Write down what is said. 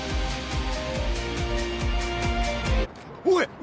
おい！